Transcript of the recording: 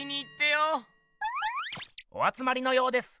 おあつまりのようです。